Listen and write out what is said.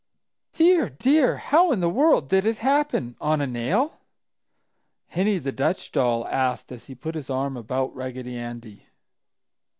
"Dear! Dear! How in the world did it happen? On a nail?" Henny, the Dutch doll, asked as he put his arm about Raggedy Andy.